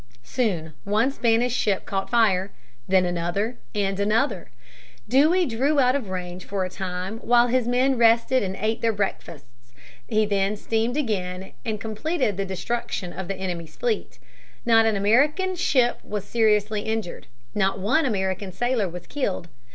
Soon one Spanish ship caught fire, then another, and another. Dewey drew off out of range for a time while his men rested and ate their breakfasts. He then steamed in again and completed the destruction of the enemy's fleet. Not an American ship was seriously injured. Not one American sailor was killed.